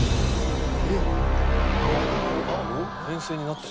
えっ？